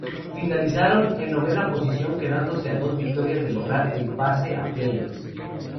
Finalizaron en novena posición, quedándose a dos victorias de lograr el pase a playoffs.